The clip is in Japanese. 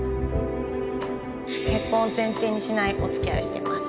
結婚を前提にしないおつきあいをしています